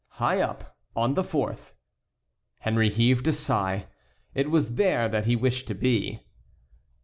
"High up; on the fourth." Henry heaved a sigh. It was there that he wished to be.